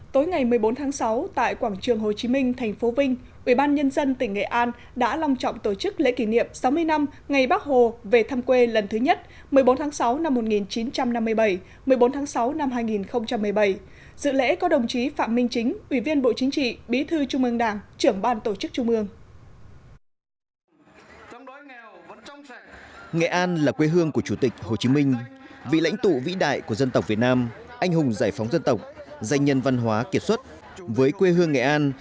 tối ngày một mươi bốn tháng sáu tại quảng trường hồ chí minh thành phố vinh ubnd tỉnh nghệ an đã long trọng tổ chức lễ kỷ niệm sáu mươi năm ngày bác hồ về thăm quê lần thứ nhất một mươi bốn tháng sáu năm một nghìn chín trăm năm mươi bảy một mươi bốn tháng sáu năm hai nghìn một mươi bảy